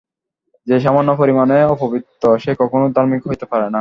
যে সামান্য পরিমাণেও অপবিত্র, সে কখনও ধার্মিক হইতে পারে না।